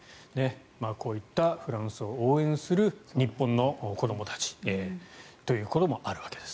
こういったフランスを応援する日本の子どもたちということもあるわけです。